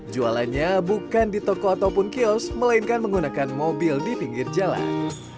jualannya bukan di toko ataupun kios melainkan menggunakan mobil di pinggir jalan